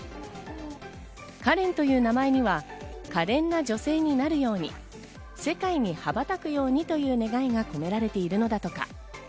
かれんという名前には、かれんな女性になるように世界に羽ばたくようにという願いが込められているのだとか。